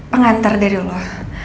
pengantar dari lo